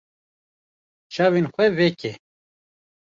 Çavên xwe veke.